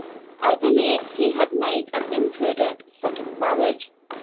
I believe he had made an imprudent second marriage.